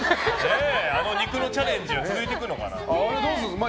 あの肉のチャレンジは続いていくのかな？